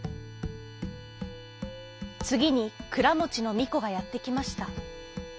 つぎにくらもちのみこがやってきました。